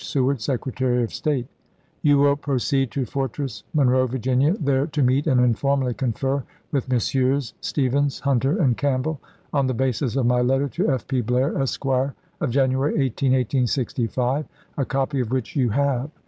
Seward, Secretary of State : You will proceed to Fortress Monroe, Virginia, there to meet and informally confer with Messrs. Stephens, Hunter, and Campbell, on the basis of my letter to F. P. Blair, Esq., of January 18, 1865, a copy of which you have.